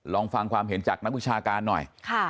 ลองฟังความเห็นจากนักวิชาการหน่อย